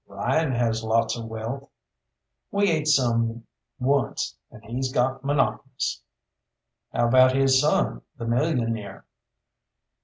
"Ryan has lots of wealth." "We ate some once, and he's got monotonous." "How about his son, the millionaire?"